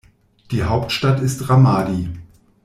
Die Hauptstadt ist Ramadi.